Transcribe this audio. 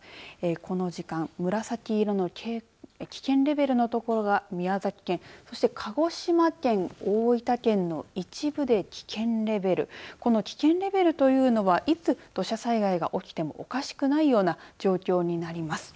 この時間、紫色の危険レベルのところが宮崎県そして鹿児島県大分県の一部で危険レベルこの危険レベルというのはいつ土砂災害が起きてもおかしくないような状況になります。